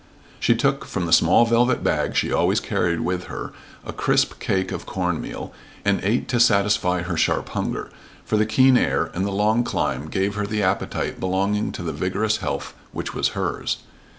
She took from the small velvet bag she always carried with her, a crisp cake of corn meal and ate to satisfy her sharp hunger, for the keen air and the long climb gave her the appetite belonging to the vigorous health which was hers.